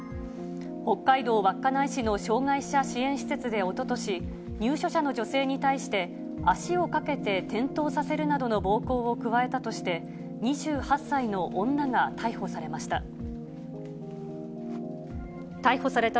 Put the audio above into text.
北海道稚内市の障がい者支援施設でおととし、入所者の女性に対して、足をかけて転倒させるなどの暴行を加えたとして、２８歳の女が逮捕されました。